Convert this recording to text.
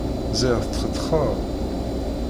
Ziɣ tetxetxeḍ!